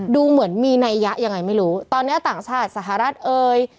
ดูเหมือนมีนัยยะยังไงไม่รู้ตอนนี้ต่างชาติสหรัฐเอ่ย